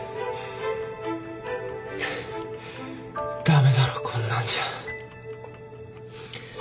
駄目だろこんなんじゃ。